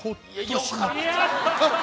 よかった！